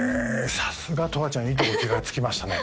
さすがとわちゃんいいとこ気がつきましたね